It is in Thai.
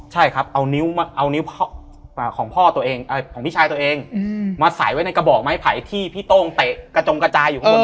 ใช่ครับเอานิ้วของพี่ชายตัวเองมาใส่ไว้ในกระบอกไม้ไผห์ที่พี่โต้งแตะกระจงกระจายมาอยู่ข้างบ้าน